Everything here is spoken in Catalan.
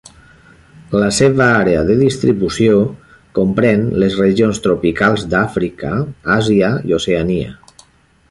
La seva àrea de distribució comprèn les regions tropicals d'Àfrica, Àsia i Oceania.